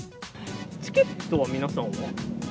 チケットは皆さんは？